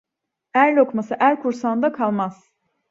Er lokması er kursağında kalmaz.